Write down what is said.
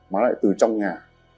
mà lại từ trong nhà